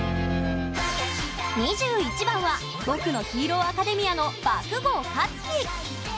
２１番は「僕のヒーローアカデミア」の爆豪勝己。